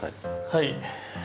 はい。